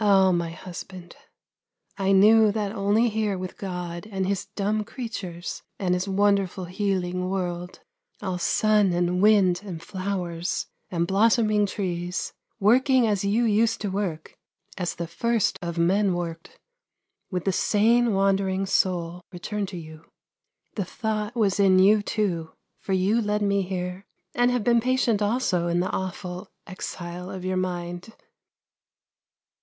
Oh, my husband, I knew that only here with God and His dumb creatures, and His wonderful healing world, all sun, and wind, and flowers, and blossoming trees, working as you used to work, as the first of men worked, would the sane wandering soul return to you. The thought was in you, too, for you led me here, and have been patient also in the awful exile of your mind."